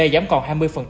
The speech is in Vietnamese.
giảm còn hai mươi